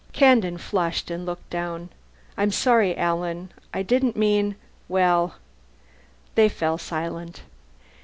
Kandin flushed and looked down. "I'm sorry, Alan. I didn't mean well " They fell silent.